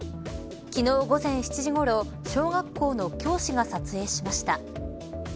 昨日午前７時ごろ小学校の教師が撮影しました。